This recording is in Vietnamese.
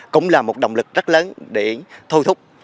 cũng là một động lực rất lớn để thôi thúc